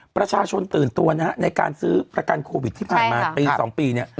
ประชาชนตื่นตัวนะฮะในการซื้อประกันโควิดที่ผ่านมาปี๒ปี